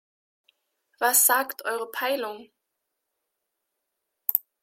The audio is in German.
Was sagt eure Peilung?